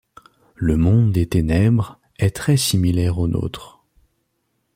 Le Monde des ténèbres est très similaire au nôtre.